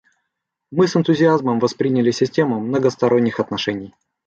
Мы с энтузиазмом восприняли систему многосторонних отношений.